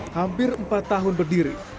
hampir empat tahun berdiri